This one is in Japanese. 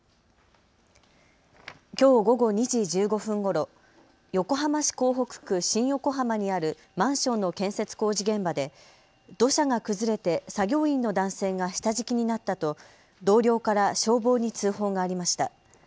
きょう午後２時１５分ごろ横浜市港北区新横浜にあるマンションの建設工事現場で土砂が崩れて作業員の男性が下敷きになったと同僚から消防に通報がありました。